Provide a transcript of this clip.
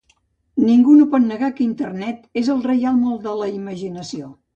Ningú no pot negar que Internet és el reialme de la imaginació.